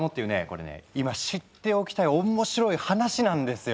これね今知っておきたい面白い話なんですよ。